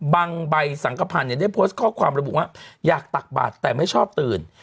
ใบสังขพันธ์เนี่ยได้โพสต์ข้อความระบุว่าอยากตักบาดแต่ไม่ชอบตื่น